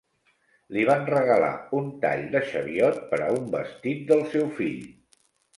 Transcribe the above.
Li van regalar un tall de xeviot per a un vestit del seu fill.